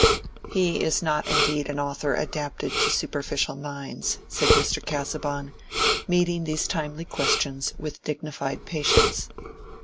"He is not indeed an author adapted to superficial minds," said Mr. Casaubon, meeting these timely questions with dignified patience.